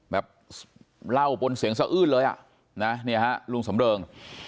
แบบเล่าบนเสียงซะอื้นเลยนี่ฮะลุงสำเริง